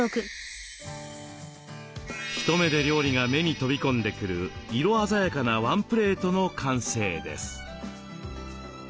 一目で料理が目に飛び込んでくる色鮮やかなワンプレートの完成です。